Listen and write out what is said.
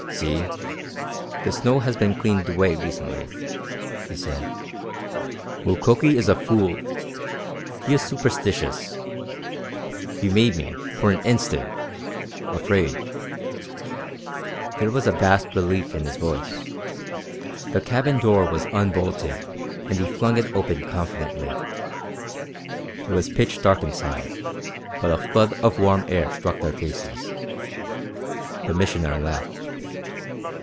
"See, the snow has been cleaned away recently," he said. "Mukoki is a fool. He is superstitious. He made me, for an instant afraid." There was a vast relief in his voice. The cabin door was unbolted and he flung it open confidently. It was pitch dark inside, but a flood of warm air struck their faces. The Missioner laughed.